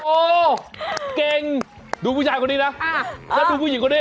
โอ้เก่งดูผู้ชายคนนี้นะแล้วดูผู้หญิงคนนี้